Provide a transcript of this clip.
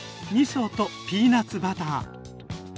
みそとピーナツバター！